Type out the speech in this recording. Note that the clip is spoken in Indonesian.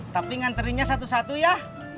tapi nganterinnya satu satu ya